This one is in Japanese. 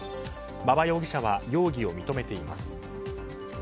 馬場容疑者は容疑を認めています。